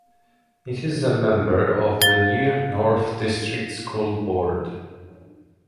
It is a member of the Near North District School Board.